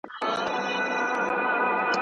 د نکاح او واده اعلان کول ولي د شريعت غوښتنه ده؟